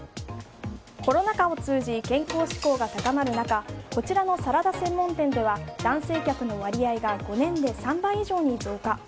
コロナ禍を通じ健康志向が高まる中こちらのサラダ専門店では男性客の割合が５年で３倍以上に増加。